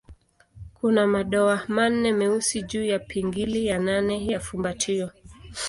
Kuna madoa manne meusi juu ya pingili ya nane ya fumbatio.